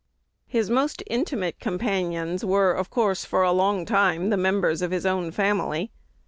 His most intimate companions were of course, for a long time, the members of his own family.